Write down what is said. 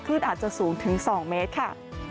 อาจจะสูงถึง๒เมตรค่ะ